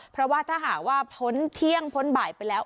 เพราะว่าถ้าหากว่าพ้นเที่ยงพ้นบ่ายไปแล้ว